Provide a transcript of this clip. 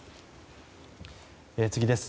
次です。